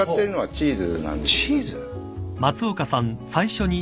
チーズ？